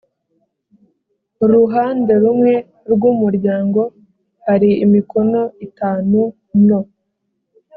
ruhande rumwe rw umuryango hari imikono itanu no